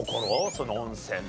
その温泉の。